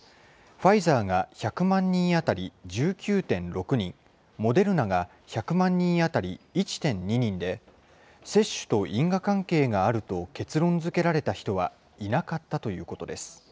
ファイザーが１００万人当たり１９．６人、モデルナが１００万人当たり１．２人で、接種と因果関係があると結論づけられた人はいなかったということです。